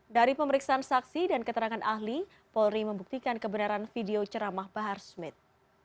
dari pemeriksaan saksi dan keterangan ahli polri membuktikan kebenaran video ceramah bahar smith